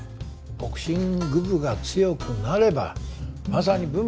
ボクシング部が強くなればまさに文武両道！